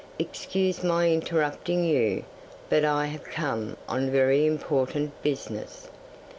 "Excuse my interrupting you, but I have come on very important business."